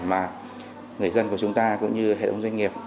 mà người dân của chúng ta cũng như hệ thống doanh nghiệp